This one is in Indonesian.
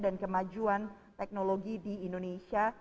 dan kemajuan teknologi di indonesia